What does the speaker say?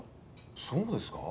そうですか？